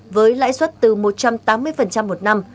với lãi suất từ một trăm tám mươi một năm